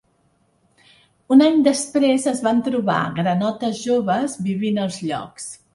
Un any després es van trobar granotes joves vivint als llocs.